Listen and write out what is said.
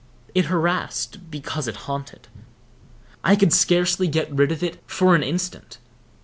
It harassed because it haunted. I could scarcely get rid of it for an instant.